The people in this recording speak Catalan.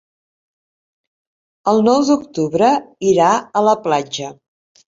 El nou d'octubre irà a la platja.